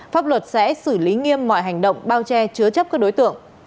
pháp luật sẽ xử lý nghiêm mọi hành động bao che chứa chấp các đối tượng